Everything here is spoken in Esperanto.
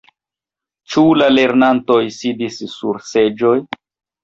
Ĉu la lernantoj sidis sur seĝoj?